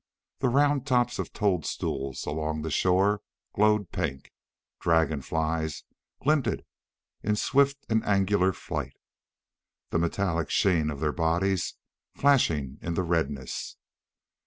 The round tops of toadstools along the shore glowed pink. Dragonflies glinted in swift and angular flight, the metallic sheen of their bodies flashing in the redness.